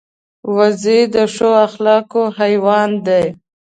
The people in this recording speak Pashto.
وزې د ښو اخلاقو حیوان دی